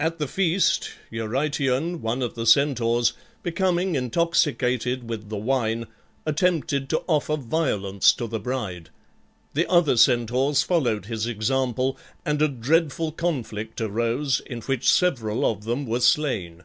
At the feast Eurytion, one of the Centaurs, becoming intoxicated with the wine, attempted to offer violence to the bride; the other Centaurs followed his example, and a dreadful conflict arose in which several of them were slain.